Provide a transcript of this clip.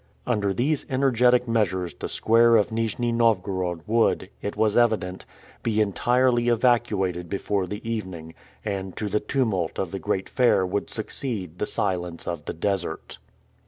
Under these energetic measures the square of Nijni Novgorod would, it was evident, be entirely evacuated before the evening, and to the tumult of the great fair would succeed the silence of the desert.